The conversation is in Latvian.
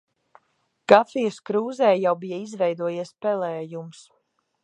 Kafijas krūzē jau bija izveidojies pelējums.